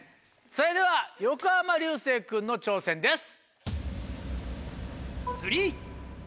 それでは横浜流星君の挑戦です。